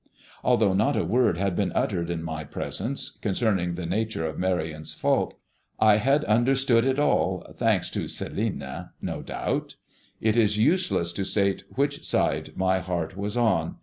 Although not a word had been uttered in my presence concerning the nature of Marion's fault, I had understood it all, thanks to "Celina," no doubt. It is useless to state which side my heart was on.